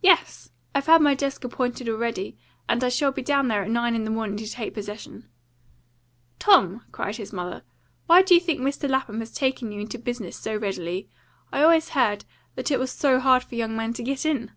"Yes. I've had my desk appointed already, and I shall be down there at nine in the morning to take possession." "Tom," cried his mother, "why do you think Mr. Lapham has taken you into business so readily? I've always heard that it was so hard for young men to get in."